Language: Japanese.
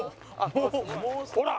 ほら！